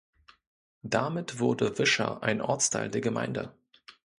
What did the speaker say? Damit wurde Wischer ein Ortsteil der Gemeinde.